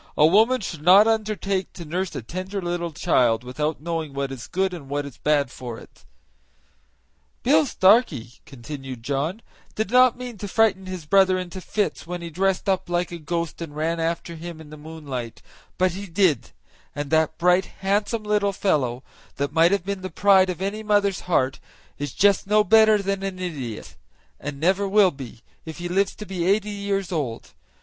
"A woman should not undertake to nurse a tender little child without knowing what is good and what is bad for it." "Bill Starkey," continued John, "did not mean to frighten his brother into fits when he dressed up like a ghost and ran after him in the moonlight; but he did; and that bright, handsome little fellow, that might have been the pride of any mother's heart is just no better than an idiot, and never will be, if he lives to be eighty years old.